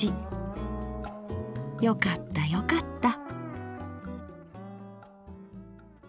よかったよかった。